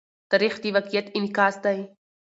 تاریخ د واقعیت انعکاس دی.